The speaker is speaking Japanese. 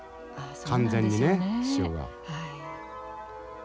完全にね潮が。